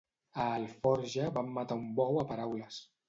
A Alforja van matar un bou a paraules.